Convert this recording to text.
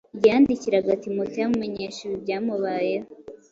Igihe yandikiraga Timoteyo amumenyesha ibi byamubayeho,